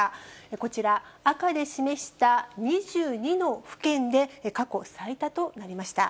こちら、赤で示した２２の府県で過去最多となりました。